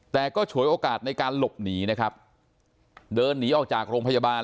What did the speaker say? แต่ก็ฉวยโอกาสในการหลบหนีนะครับเดินหนีออกจากโรงพยาบาล